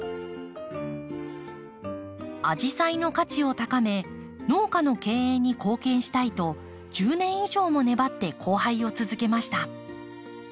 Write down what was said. アジサイの価値を高め農家の経営に貢献したいと１０年以上も粘って交配を続けました。